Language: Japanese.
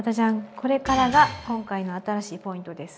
これからが今回の新しいポイントです。